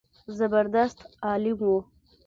زبردست عالم و.